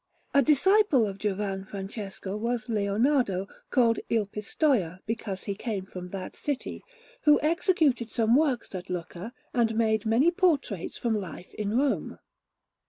A disciple of Giovan Francesco was Leonardo, called Il Pistoia because he came from that city, who executed some works at Lucca, and made many portraits from life in Rome.